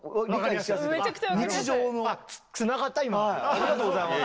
ありがとうございます。